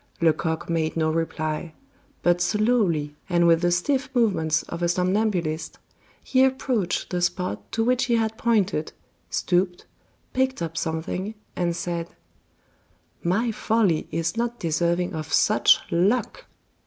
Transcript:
Lecoq made no reply, but slowly, and with the stiff movements of a somnambulist, he approached the spot to which he had pointed, stooped, picked up something, and said: "My folly is not deserving of such luck."